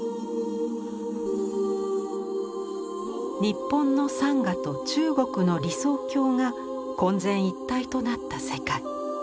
日本の山河と中国の理想郷が混然一体となった世界。